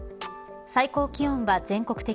最高気温は全国的